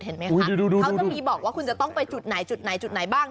เห็นไหมคะเขาจะมีบอกว่าคุณจะต้องไปจุดไหนจุดไหนจุดไหนบ้าง